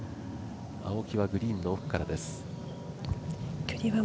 青木はグリーンの奥からです。